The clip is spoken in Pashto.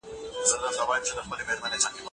د څېړنیز تیزس پوره مسولیت په شاګرد پوري اړه لري.